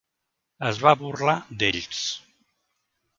Es va burlar d'ells.